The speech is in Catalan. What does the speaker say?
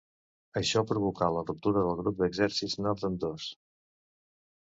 Això provocà la ruptura del Grup d'Exèrcits Nord en dos.